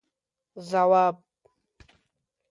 ځواب: